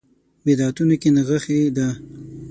بدعتونو کې نغښې ده.